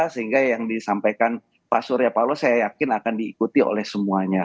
sehingga yang disampaikan pak surya paloh saya yakin akan diikuti oleh semuanya